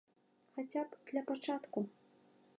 Хаця б для пачатку.